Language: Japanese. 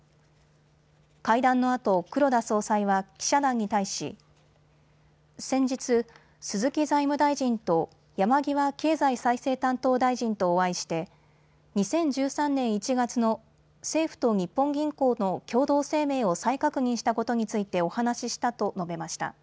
会談のあと黒田総裁は記者団に対し先日、鈴木財務大臣と山際経済再生担当大臣とお会いして２０１３年１月の政府と日本銀行の共同声明を再確認したことについてお話ししたと述べました。